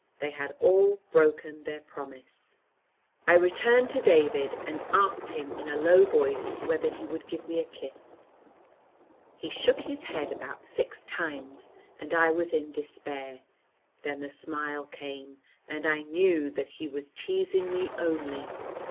They had all broken their promise. I returned to David, and asked him in a low voice whether he would give me a kiss. He shook his head about six times, and I was in despair. Then the smile came, and I knew that he was teasing me only.